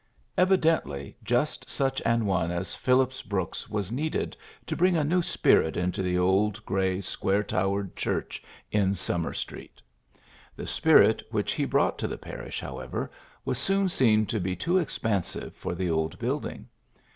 Evidently, just such an one as Phillips Brooks was needed to bring a new spirit into the old gray, square towered church in Summer PHILLIPS BEOOKS 43 Street. The spirit which he brought to the parish, however, was soon seen to be too expansive for the old building.